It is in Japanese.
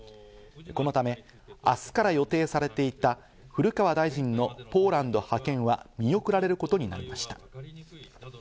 このため明日から予定されていた古川大臣のポーランド派遣は見送られることになりました。